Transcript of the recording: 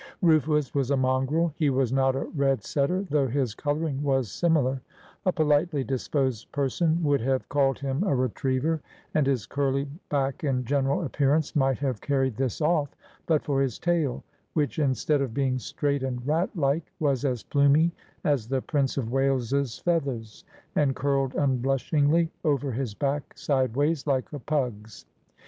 Rufus was a mongrel. He was not a red setter, though his coloring was similar. A politely disposed person would have called him a retriever, and his curly back and general appearance might have carried this off, but for his tail, which, instead of being straight and rat like, was as plumy as the Prince of Wales's feathers, and curled unblushingly over his back, sideways, like a pug's.